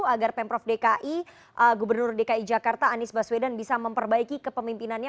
agar pemprov dki gubernur dki jakarta anies baswedan bisa memperbaiki kepemimpinannya